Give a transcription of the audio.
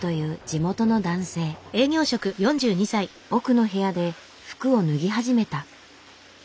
奥の部屋で服を脱ぎ始めた。